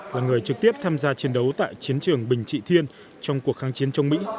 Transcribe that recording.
là người trực tiếp tham gia chiến đấu tại chiến trường bình trị thiên trong cuộc kháng chiến trong mỹ